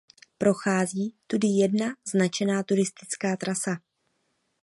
Prochází tudy jedna značená turistická trasa.